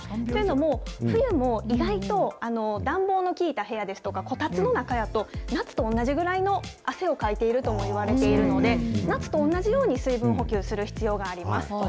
というのも、冬も意外と暖房の利いた部屋ですとか、こたつの中やと、夏と同じぐらいの汗をかいているともいわれているので、夏と同じように水分補給する必要があります。